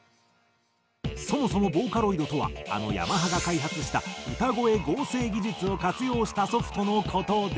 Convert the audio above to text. そもそもボーカロイドとはあのヤマハが開発した歌声合成技術を活用したソフトの事で。